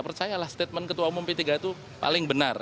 percayalah statement ketua umum p tiga itu paling benar